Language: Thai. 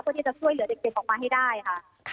เพื่อที่จะช่วยเหลือเด็กเด็กออกมาให้ได้ค่ะ